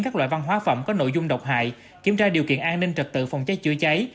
các loại văn hóa phẩm có nội dung độc hại kiểm tra điều kiện an ninh trật tự phòng cháy chữa cháy